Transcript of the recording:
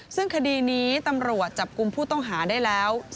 ซึ่งคดีนี้ตำรวจจับกลุ่มผู้ต้องหาได้แล้ว